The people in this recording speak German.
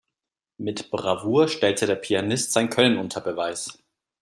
Mit Bravour stellte der Pianist sein Können unter Beweis.